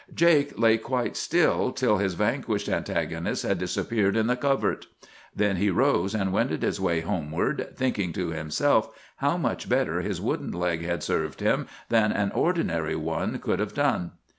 "Jake lay quite still till his vanquished antagonist had disappeared in the covert. Then he rose and wended his way homeward, thinking to himself how much better his wooden leg had served him than an ordinary one could have done.